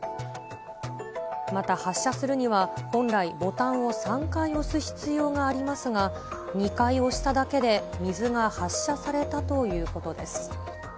また発射するには、本来、ボタンを３回押す必要がありますが、２回押しただけで水が発射されたということです。